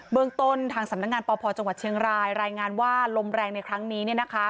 เมืองต้นทางสำนักงานปพจังหวัดเชียงรายรายงานว่าลมแรงในครั้งนี้